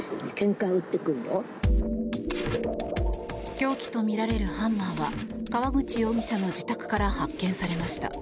凶器とみられるハンマーは川口容疑者の自宅から発見されました。